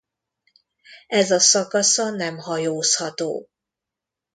Ez a szakasza nem hajózható.